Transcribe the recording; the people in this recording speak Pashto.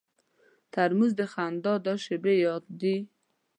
ترموز د خندا د شیبو یاد دی.